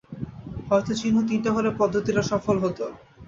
হয়তো চিহ্ন তিনটা হলে পদ্ধতিটা সফল হতো।